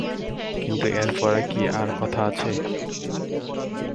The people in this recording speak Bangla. কিন্তু এর পরে কি আর কথা আছে?